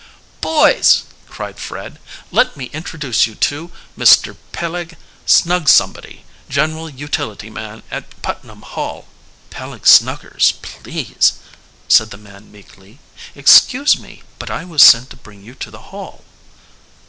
"Boys," cried Fred, "let me introduce you to Mr. Peleg Snugsomebody, general utility man at Putnam Hall." "Peleg Snuggers, please," said the man meekly. "Excuse me, but I was sent to bring you to the Hall."